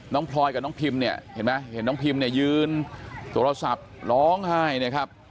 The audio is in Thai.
พลอยกับน้องพิมเนี่ยเห็นไหมเห็นน้องพิมเนี่ยยืนโทรศัพท์ร้องไห้นะครับ